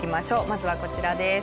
まずはこちらです。